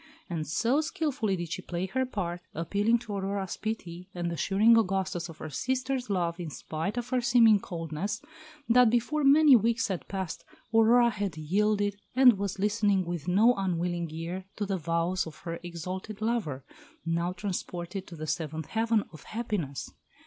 And so skilfully did she play her part, appealing to Aurora's pity, and assuring Augustus of her sister's love in spite of her seeming coldness, that before many weeks had passed Aurora had yielded and was listening with no unwilling ear to the vows of her exalted lover, now transported to the seventh heaven of happiness.